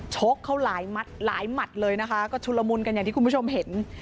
ชกเขาหลายมัดหลายหมัดเลยนะคะก็ชุลมุนกันอย่างที่คุณผู้ชมเห็น